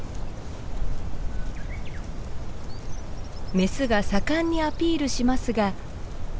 メスが盛んにアピールしますが。